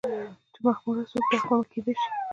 چې مخموره څوک د حق په ميکده شي